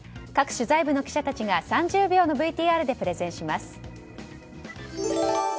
各取材部の記者たちが３０秒のＶＴＲでプレゼンします。